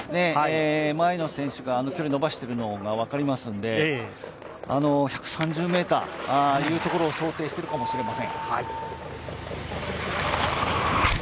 前の選手があの距離延ばしているのが分かりますので１３０ｍというところを想定しているかもしれません。